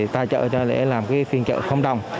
tài trợ cho lễ làm phiên chợ không đồng